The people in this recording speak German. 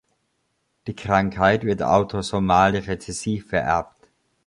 Die Krankheit wird autosomal-rezessiv vererbt.